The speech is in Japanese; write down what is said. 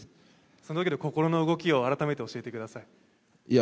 そのときの心の動きを改めて教えてください。